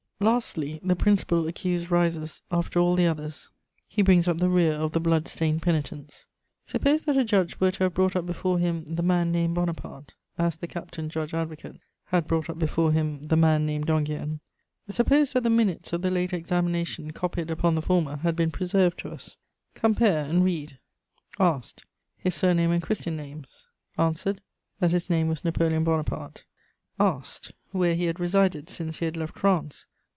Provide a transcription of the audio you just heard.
* Lastly, the principal accused rises after all the others; he brings up the rear of the blood stained penitents. Suppose that a judge were to have brought up before him "the man named Bonaparte," as the captain judge advocate had brought up before him "the man named d'Enghien;" suppose that the minutes of the later examination copied upon the former had been preserved to us; compare and read: Asked: His surname and Christian names? Answered: That his name was Napoleon Bonaparte. Asked: Where he had resided since he had left France?